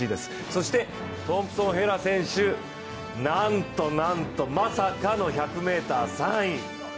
そしてトンプソン・ヘラ選手、なんとなんとまさかの１００ｍ、３位。